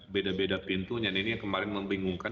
beda beda pintunya nah ini ini kemarin membingungkan